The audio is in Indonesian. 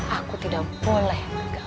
aku tidak boleh